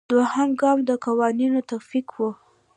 دوهم ګام د قواوو تفکیک دی.